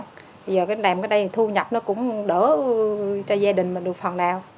giờ làm cái này thu nhập nó cũng đỡ cho gia đình mình được phần nào